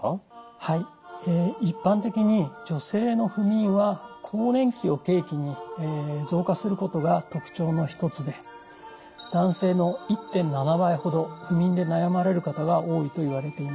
はい一般的に女性の不眠は更年期を契機に増加することが特徴の一つで男性の１．７倍ほど不眠で悩まれる方が多いといわれています。